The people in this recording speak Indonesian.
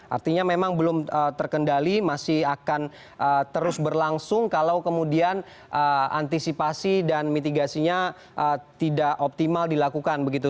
artinya memang belum terkendali masih akan terus berlangsung kalau kemudian antisipasi dan mitigasinya tidak optimal dilakukan begitu